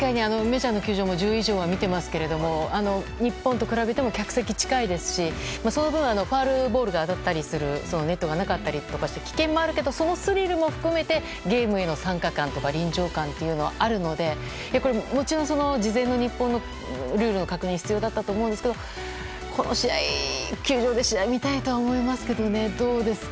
メジャーの球場も１０以上は見ていますけれども日本と比べても客席が近いですしその分、ファウルボールが当たったりするネットがなかったりして危険もあるけどそのスリルも含めてゲームへの参加感や臨場感はあるのでもちろん事前の日本のルールの確認が必要だったと思うんですけどこの球場で試合見たいと思いますけどね。